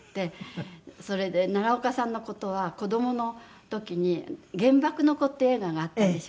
それで奈良岡さんの事は子どもの時に『原爆の子』って映画があったんですよね。